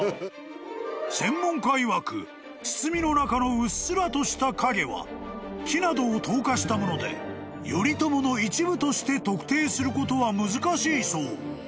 ［専門家いわく包みの中のうっすらとした影は木などを透過したもので頼朝の一部として特定することは難しいそう］